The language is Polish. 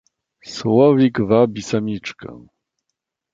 "„Słowik wabi samiczkę!"